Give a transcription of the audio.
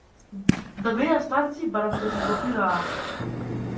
Да беа старци барем ќе се допираа.